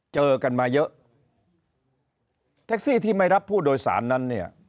เจอกันมาเยอะแท็กซี่ที่ไม่รับผู้โดยสารนั้นเนี่ย